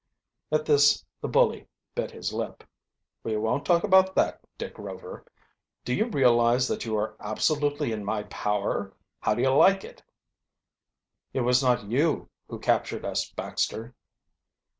At this the bully bit his lip. "We won't talk about that, Dick Rover. Do you realize that you are absolutely in my power? How do you like it?" "It was not you who captured us, Baxter."